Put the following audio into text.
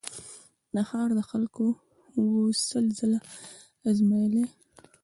د ښار خلکو وو سل ځله آزمېیلی